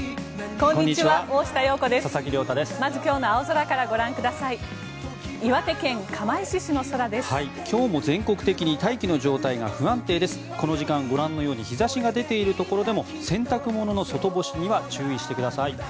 この時間、ご覧のように日差しが出ているところでも洗濯物の外干しには注意してください。